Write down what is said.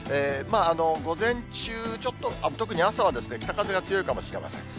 午前中、ちょっと、特に朝は北風が強いかもしれません。